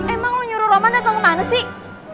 emang lo nyuruh roman atau kemana sih